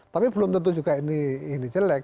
tapi belum tentu juga ini jelek